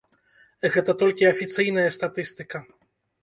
Гэта толькі афіцыйная статыстыка.